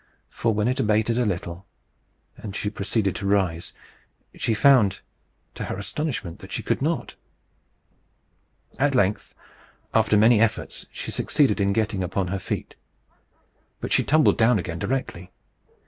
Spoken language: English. For when it abated a little, and she proceeded to rise, she found, to her astonishment, that she could not. At length, after many efforts, she succeeded in getting upon her feet. But she tumbled down again directly.